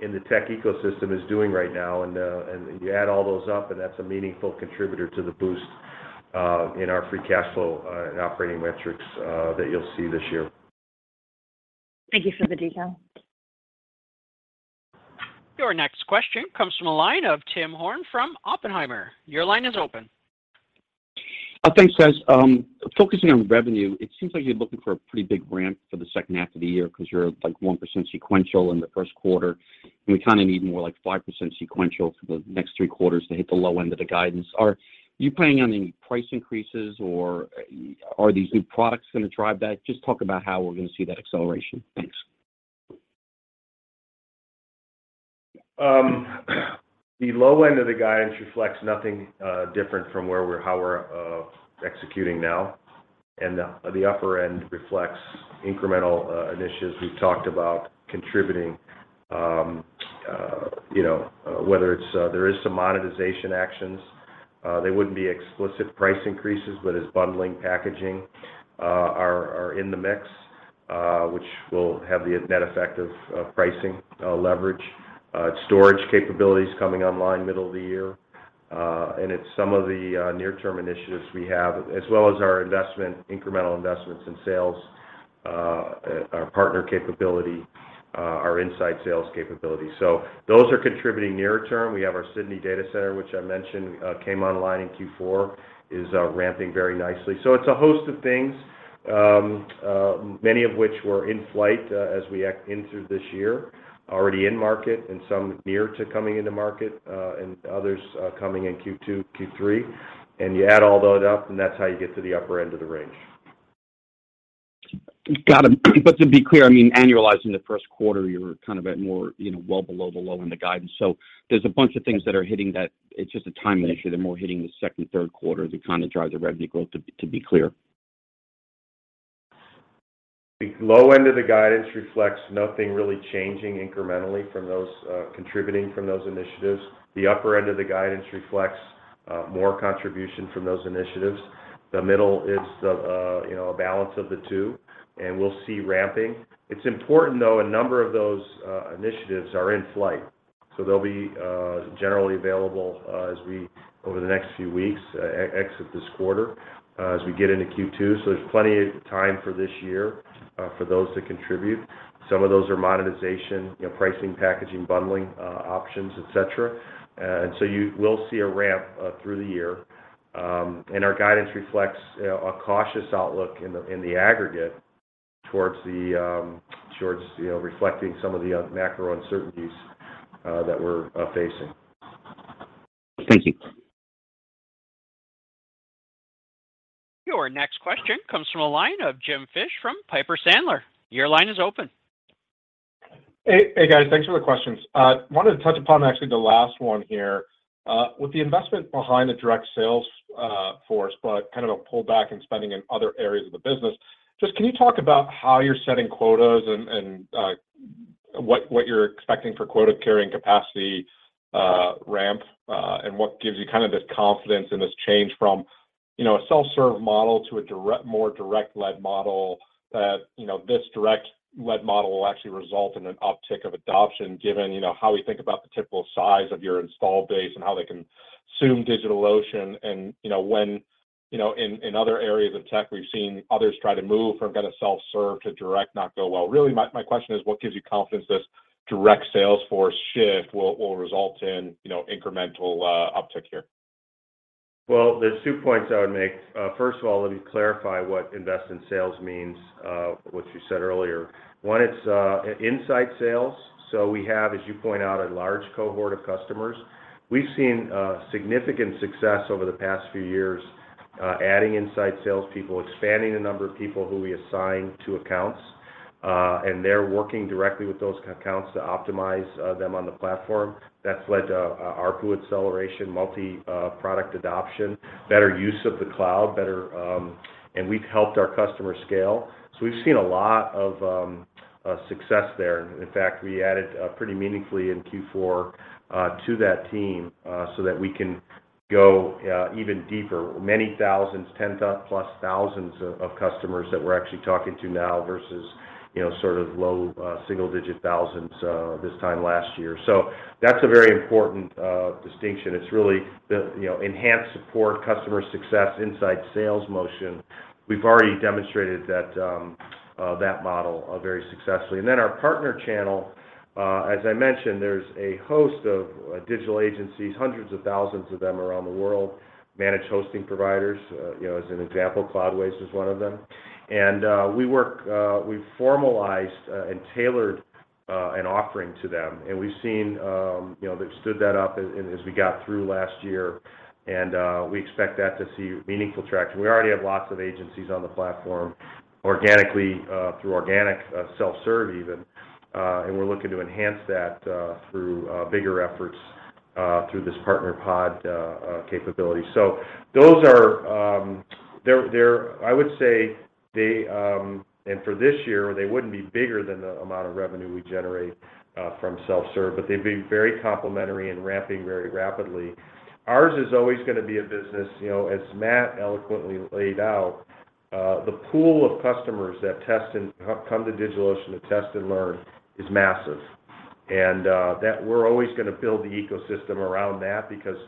in the tech ecosystem is doing right now. And you add all those up, and that's a meaningful contributor to the boost in our free cash flow and operating metrics that you'll see this year. Thank you for the detail. Your next question comes from the line of Tim Horan from Oppenheimer. Your line is open. Thanks, guys. Focusing on revenue, it seems like you're looking for a pretty big ramp for the second half of the year because you're, like, 1% sequential in the first quarter, and we kind of need more like 5% sequential for the next three quarters to hit the low end of the guidance. Are you planning on any price increases, or are these new products gonna drive that? Just talk about how we're gonna see that acceleration. Thanks. The low end of the guidance reflects nothing different from how we're executing now. The, the upper end reflects incremental initiatives we've talked about contributing, you know, whether it's, there is some monetization actions. They wouldn't be explicit price increases, but as bundling, packaging, are in the mix, which will have the net effect of pricing leverage. Storage capabilities coming online middle of the year, and it's some of the near-term initiatives we have, as well as our incremental investments in sales, our partner capability, our inside sales capability. Those are contributing near term. We have our Sydney Data Center, which I mentioned, came online in Q4, is ramping very nicely. It's a host of things, many of which were in flight, as we entered this year, already in market and some near to coming into market, and others coming in Q2, Q3. You add all that up, and that's how you get to the upper end of the range. Got it. To be clear, I mean, annualizing the first quarter, you're kind of at more, you know, well below the low in the guidance. There's a bunch of things that are hitting that it's just a timing issue. They're more hitting the second and third quarter to kind of drive the revenue growth to be, to be clear. The low end of the guidance reflects nothing really changing incrementally from those, contributing from those initiatives. The upper end of the guidance reflects more contribution from those initiatives. The middle is the, you know, a balance of the two, and we'll see ramping. It's important, though, a number of those initiatives are in flight, so they'll be generally available as we over the next few weeks, exit this quarter, as we get into Q2. There's plenty of time for this year, for those to contribute. Some of those are monetization, you know, pricing, packaging, bundling, options, et cetera. You will see a ramp through the year. Our guidance reflects, you know, a cautious outlook in the aggregate towards the, towards, you know, reflecting some of the macro uncertainties that we're facing. Thank you. Your next question comes from a line of Jim Fish from Piper Sandler. Your line is open. Hey guys. Thanks for the questions. Wanted to touch upon actually the last one here. With the investment behind the direct sales force, but kind of a pullback in spending in other areas of the business, can you talk about how you're setting quotas and what you're expecting for quota carrying capacity ramp, and what gives you kind of this confidence in this change from, you know, a self-serve model to a more direct-led model that, you know, this direct-led model will actually result in an uptick of adoption given, you know, how we think about the typical size of your installed base and how they consume DigitalOcean and, you know, when. You know, in other areas of tech, we've seen others try to move from kind of self-serve to direct, not go well. Really, my question is, what gives you confidence this direct sales force shift will result in, you know, incremental uptick here? There's 2 points I would make. First of all, let me clarify what invest in sales means, what you said earlier. One, it's inside sales. We have, as you point out, a large cohort of customers. We've seen significant success over the past few years, adding inside sales people, expanding the number of people who we assign to accounts, and they're working directly with those accounts to optimize them on the platform. That's led to ARPU acceleration, multi product adoption, better use of the cloud, better. We've helped our customers scale. We've seen a lot of success there. In fact, we added pretty meaningfully in Q4 to that team so that we can go even deeper. Many thousands, 10+ thousands of customers that we're actually talking to now versus, you know, sort of low, single-digit thousands this time last year. That's a very important distinction. It's really the, you know, enhanced support, customer success inside sales motion. We've already demonstrated that model very successfully. Our partner channel, as I mentioned, there's a host of digital agencies, hundreds of thousands of them around the world, managed hosting providers. You know, as an example, Cloudways is one of them. We work, we've formalized and tailored an offering to them. We've seen, you know, they've stood that up as we got through last year and we expect that to see meaningful traction. We already have lots of agencies on the platform organically, through organic, self-serve even. We're looking to enhance that through bigger efforts through this Partner Pod capability. Those are I would say they and for this year, they wouldn't be bigger than the amount of revenue we generate from self-serve, but they'd be very complementary and ramping very rapidly. Ours is always gonna be a business, you know, as Matt eloquently laid out, the pool of customers that come to DigitalOcean to test and learn is massive. That we're always gonna build the ecosystem around that because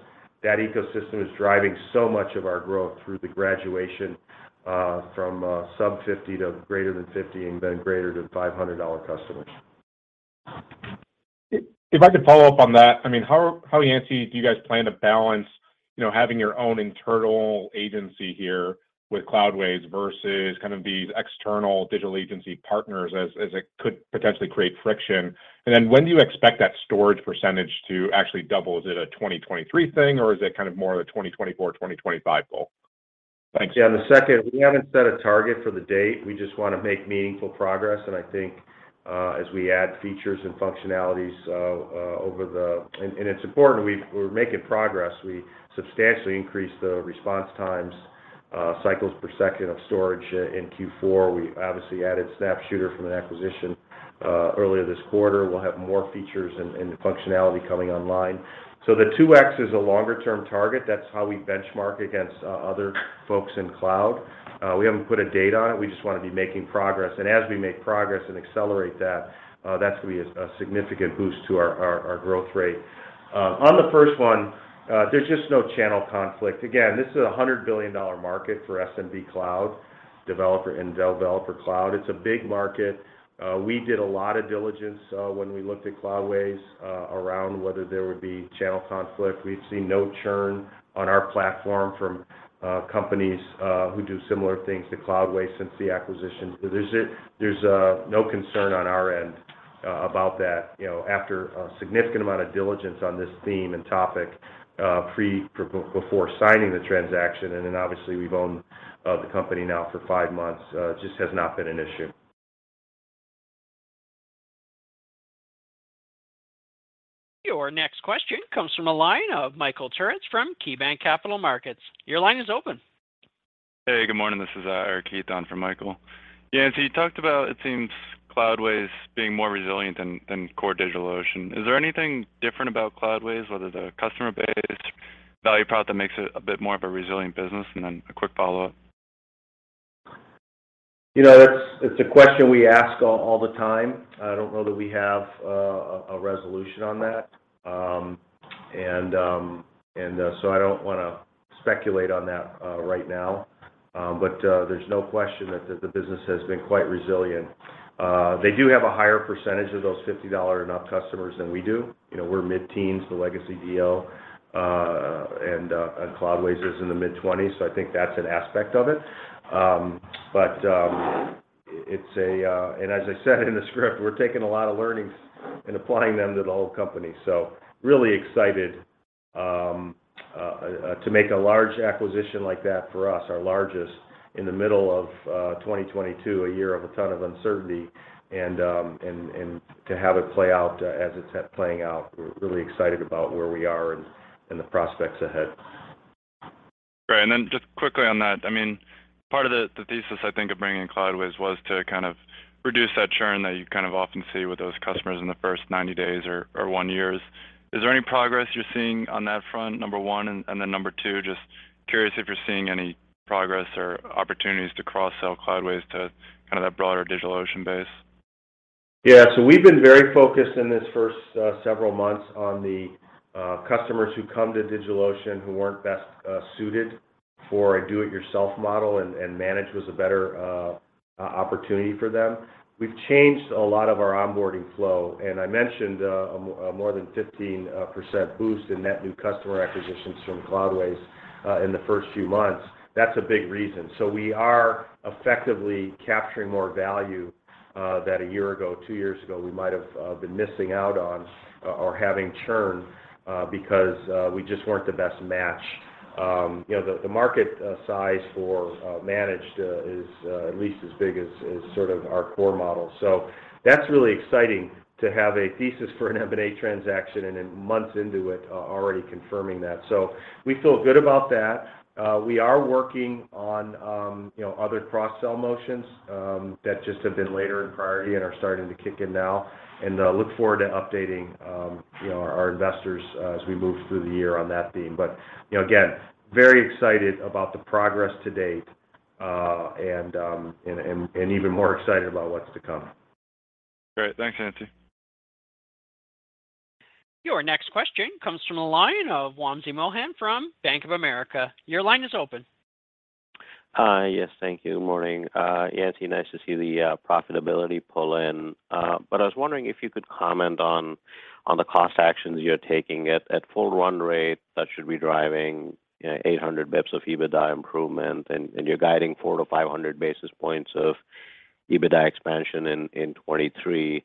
that ecosystem is driving so much of our growth through the graduation from sub 50 to greater than 50 and then greater than $500 customers. If I could follow up on that. I mean, how Yancey do you guys plan to balance, you know, having your own internal agency here with Cloudways versus kind of these external digital agency partners as it could potentially create friction? When do you expect that storage % to actually double? Is it a 2023 thing or is it kind of more of a 2024, 2025 goal? Thanks. Yeah, on the second, we haven't set a target for the date. We just wanna make meaningful progress, and I think, as we add features and functionalities over the... It's important, we're making progress. We substantially increased the response times, cycles per second of storage in Q4. We obviously added SnapShooter from an acquisition earlier this quarter. We'll have more features and functionality coming online. The 2x is a longer term target. That's how we benchmark against other folks in cloud. We haven't put a date on it. We just wanna be making progress. As we make progress and accelerate that's gonna be a significant boost to our growth rate. On the first one, there's just no channel conflict. This is a $100 billion market for SMB cloud developer and developer cloud. It's a big market. We did a lot of diligence when we looked at Cloudways around whether there would be channel conflict. We've seen no churn on our platform from companies who do similar things to Cloudways since the acquisition. There's no concern on our end about that, you know, after a significant amount of diligence on this theme and topic before signing the transaction, obviously we've owned the company now for five months. It just has not been an issue. Your next question comes from a line of Michael Turits from KeyBanc Capital Markets. Your line is open. Hey, good morning. This is Eric Heath on for Michael. Yancey, you talked about, it seems, Cloudways being more resilient than core DigitalOcean. Is there anything different about Cloudways, whether the customer base, value prop, that makes it a bit more of a resilient business? Then a quick follow-up. You know, that's a question we ask all the time. I don't know that we have a resolution on that. I don't wanna speculate on that right now. There's no question that the business has been quite resilient. They do have a higher percentage of those $50 and up customers than we do. You know, we're mid-teens, the legacy DO, and Cloudways is in the mid-twenties. I think that's an aspect of it. It's a, as I said in the script, we're taking a lot of learnings and applying them to the whole company. Really excited to make a large acquisition like that for us, our largest, in the middle of 2022, a year of a ton of uncertainty, and to have it play out as it's playing out, we're really excited about where we are and the prospects ahead. Great. Then just quickly on that, I mean, part of the thesis I think of bringing Cloudways was to kind of reduce that churn that you kind of often see with those customers in the first 90 days or one year. Is there any progress you're seeing on that front, number one? Then number two, just curious if you're seeing any progress or opportunities to cross-sell Cloudways to kind of that broader DigitalOcean base. Yeah. We've been very focused in this first several months on the customers who come to DigitalOcean who weren't best suited for a do-it-yourself model and managed was a better opportunity for them. We've changed a lot of our onboarding flow, and I mentioned more than 15% boost in net new customer acquisitions from Cloudways in the first few months. That's a big reason. We are effectively capturing more value that a year ago, two years ago, we might have been missing out on or having churn because we just weren't the best match. You know, the market size for managed is at least as big as sort of our core model. That's really exciting to have a thesis for an M&A transaction and then months into it already confirming that. We feel good about that. We are working on, you know, other cross-sell motions that just have been later in priority and are starting to kick in now. Look forward to updating, you know, our investors as we move through the year on that theme. You know, again, very excited about the progress to date, and even more excited about what's to come. Great. Thanks, Yancey. Your next question comes from the line of Wamsi Mohan from Bank of America. Your line is open. Yes. Thank you. Morning. Yancey, nice to see the profitability pull in. I was wondering if you could comment on the cost actions you're taking. At full run rate, that should be driving 800 basis points of EBITDA improvement, and you're guiding 400-500 basis points of EBITDA expansion in 2023.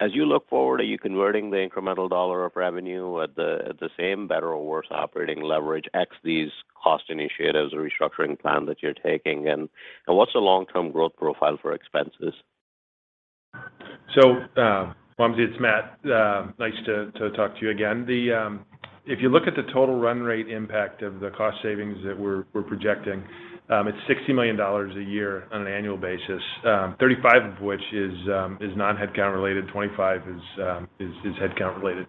As you look forward, are you converting the incremental dollar of revenue at the same, better or worse operating leverage ex these cost initiatives or restructuring plan that you're taking? What's the long-term growth profile for expenses? Wamsi, it's Matt. Nice to talk to you again. If you look at the total run rate impact of the cost savings that we're projecting, it's $60 million a year on an annual basis, 35 of which is non-headcount related, 25 is headcount related.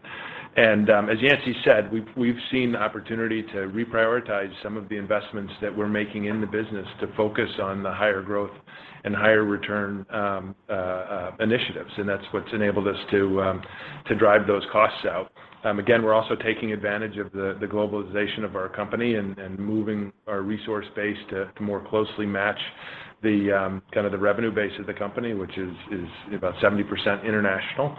As Yancey said, we've seen the opportunity to reprioritize some of the investments that we're making in the business to focus on the higher growth and higher return initiatives, and that's what's enabled us to drive those costs out. Again, we're also taking advantage of the globalization of our company and moving our resource base to more closely match the kind of the revenue base of the company, which is about 70% international.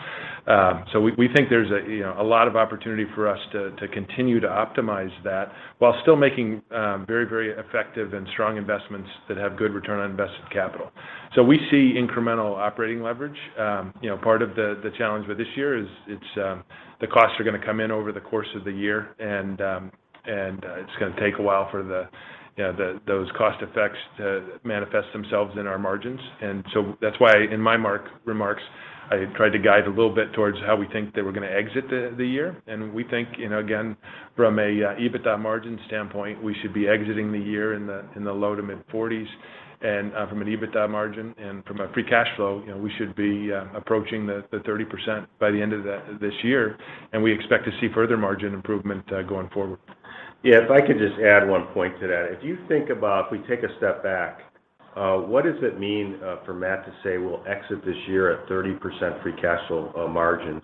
We think there's a, you know, a lot of opportunity for us to continue to optimize that while still making very effective and strong investments that have good Return on Invested Capital. We see incremental operating leverage. You know, part of the challenge with this year is it's the costs are gonna come in over the course of the year and it's gonna take a while for the, you know, those cost effects to manifest themselves in our margins. That's why in my remarks, I tried to guide a little bit towards how we think that we're gonna exit the year. We think, you know, again, from a EBITDA margin standpoint, we should be exiting the year in the low to mid-40s. From an EBITDA margin and from a free cash flow, you know, we should be approaching the 30% by the end of this year, and we expect to see further margin improvement going forward. Yeah. If I could just add one point to that. If you think about if we take a step back, what does it mean for Matt to say we'll exit this year at 30% free cash flow margins?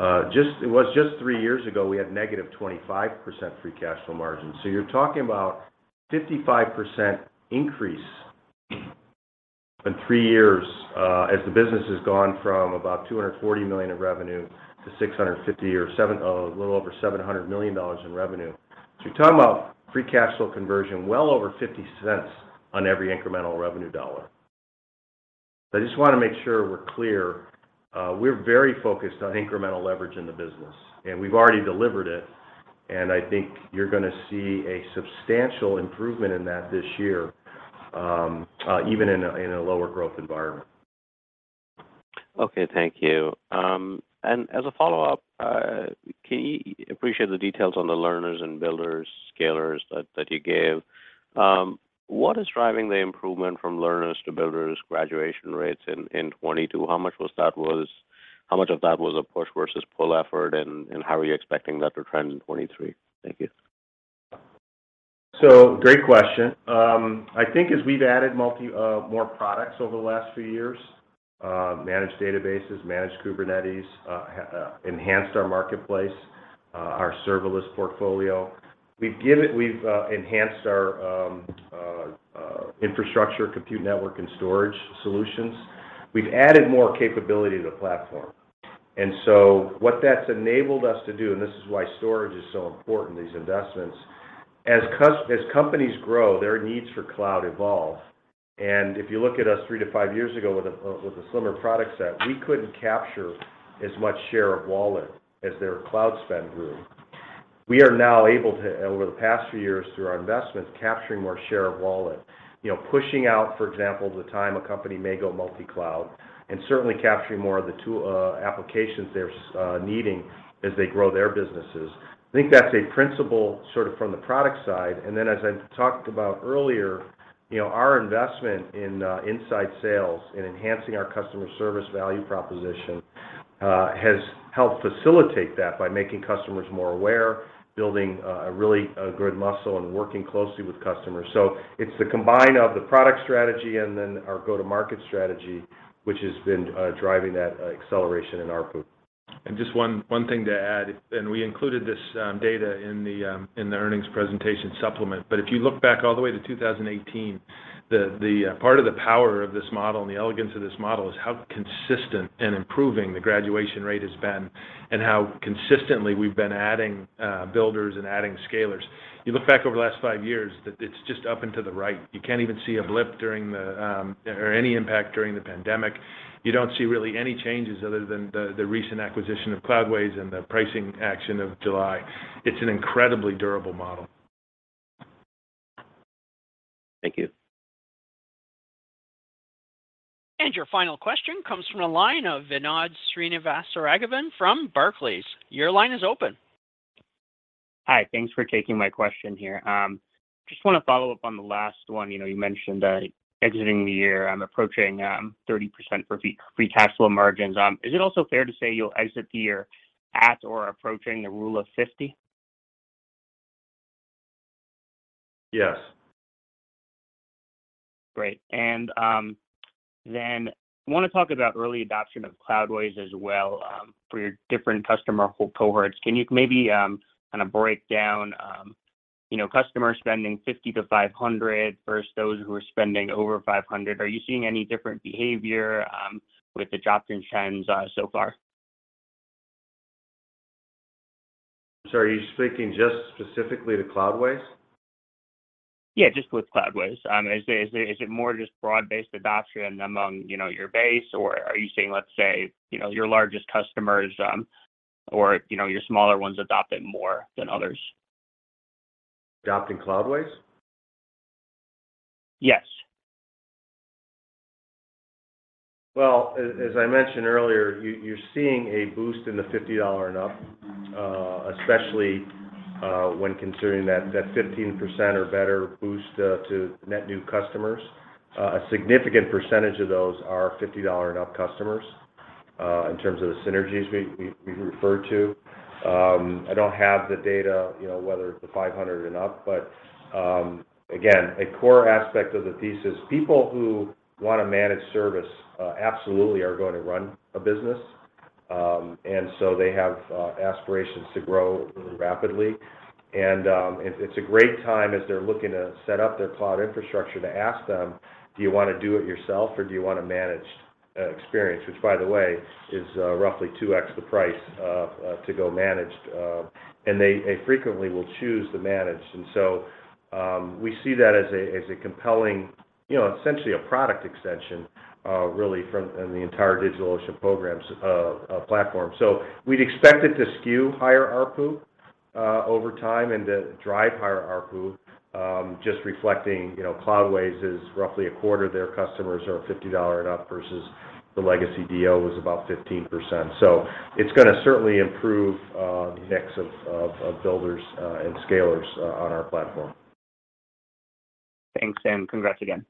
It was just three years ago, we had negative 25% free cash flow margins. You're talking about 55% increase in three years, as the business has gone from about $240 million in revenue to $650 million or a little over $700 million in revenue. You're talking about free cash flow conversion well over $0.50 on every incremental revenue dollar. I just wanna make sure we're clear, we're very focused on incremental leverage in the business, and we've already delivered it. I think you're gonna see a substantial improvement in that this year, even in a lower growth environment. Okay. Thank you. As a follow-up, can you appreciate the details on the learners and builders, scalers that you gave? What is driving the improvement from learners to builders graduation rates in 2022? How much of that was a push versus pull effort, and how are you expecting that to trend in 2023? Thank you. Great question. I think as we've added more products over the last few years, managed databases, managed Kubernetes, enhanced our marketplace, our serverless portfolio. We've enhanced our infrastructure, compute network, and storage solutions. We've added more capability to the platform. What that's enabled us to do, and this is why storage is so important, these investments, as companies grow, their needs for cloud evolve. If you look at us three to five years ago with a, with a slimmer product set, we couldn't capture as much share of wallet as their cloud spend grew. We are now able to, over the past few years through our investments, capturing more share of wallet, you know, pushing out, for example, the time a company may go multi-cloud and certainly capturing more of the 2 applications they're needing as they grow their businesses. I think that's a principle sort of from the product side, and then as I talked about earlier, you know, our investment in inside sales and enhancing our customer service value proposition has helped facilitate that by making customers more aware, building, really, a good muscle and working closely with customers. It's the combine of the product strategy and then our go-to-market strategy, which has been driving that acceleration in ARPU. Just one thing to add, and we included this data in the earnings presentation supplement, but if you look back all the way to 2018, the part of the power of this model and the elegance of this model is how consistent and improving the graduation rate has been and how consistently we've been adding builders and adding scalers. You look back over the last five years. That it's just up and to the right. You can't even see a blip during the or any impact during the pandemic. You don't see really any changes other than the recent acquisition of Cloudways and the pricing action of July. It's an incredibly durable model. Thank you. Your final question comes from the line of Vinod Srinivasaraghavan from Barclays. Your line is open. Hi. Thanks for taking my question here. Just wanna follow up on the last one. You know, you mentioned that exiting the year, approaching 30% for free cash flow margins. Is it also fair to say you'll exit the year at or approaching the Rule of 40? Yes. Great. Then wanna talk about early adoption of Cloudways as well for your different customer cohorts. Can you maybe kind of break down, you know, customer spending $50-$500 versus those who are spending over $500? Are you seeing any different behavior with adoption trends so far? Sorry, are you speaking just specifically to Cloudways? Yeah, just with Cloudways. Is it more just broad-based adoption among, you know, your base, or are you seeing, let's say, you know, your largest customers, or, you know, your smaller ones adopt it more than others? Adopting Cloudways? Yes. As I mentioned earlier, you're seeing a boost in the $50 and up, especially when considering that 15% or better boost to net new customers. A significant percentage of those are $50 and up customers in terms of the synergies we referred to. I don't have the data, you know, whether it's the $500 and up. Again, a core aspect of the thesis, people who wanna manage service, absolutely are gonna run a business, they have aspirations to grow really rapidly. It's a great time as they're looking to set up their cloud infrastructure to ask them, "Do you wanna do it yourself, or do you want a managed experience?" Which, by the way, is roughly 2x the price to go managed. They, they frequently will choose the managed. We see that as a, as a compelling, you know, essentially a product extension, really in the entire DigitalOcean programs platform. We'd expect it to skew higher ARPU over time and to drive higher ARPU, just reflecting, you know, Cloudways is roughly a quarter of their customers are $50 and up versus the legacy DO was about 15%. It's gonna certainly improve the mix of builders and scalers on our platform. Thanks, and congrats again.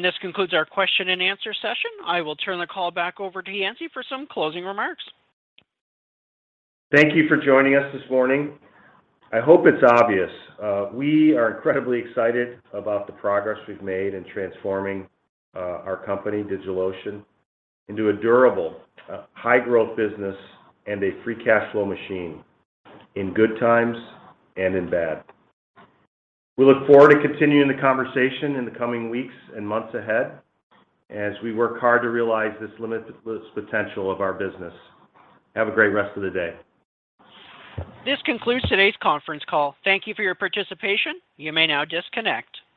This concludes our question and answer session. I will turn the call back over to Yancey for some closing remarks. Thank you for joining us this morning. I hope it's obvious, we are incredibly excited about the progress we've made in transforming our company, DigitalOcean, into a durable, high-growth business and a free cash flow machine in good times and in bad. We look forward to continuing the conversation in the coming weeks and months ahead as we work hard to realize this limitless potential of our business. Have a great rest of the day. This concludes today's conference call. Thank you for your participation. You may now disconnect.